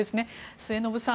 末延さん